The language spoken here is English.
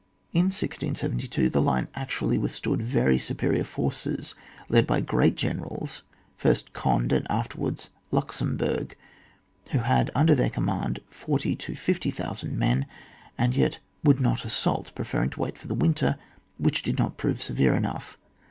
In 1672 the line actually withstood very superior forces led by great gene rals, first Ck)nd6, and afterwards Luxem bourg, who had under their command 40,000 to 50,000 men, and yet would not assault, preferring to wait for the winter, which did not prove severe enough.